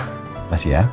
terima kasih ya